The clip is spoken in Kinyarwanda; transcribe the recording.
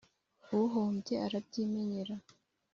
uhombye arabyimenyera